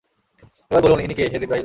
এবার বলুন, ইনি কে, হে জিবরাঈল?